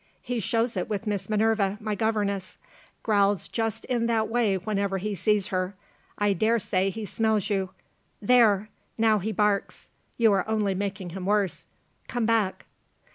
He shows it with Miss Minerva, my governess growls just in that way whenever he sees her. I dare say he smells you. There! Now he barks! You are only making him worse. Come back!"